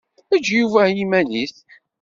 Eǧǧ Yuba i yiman-is.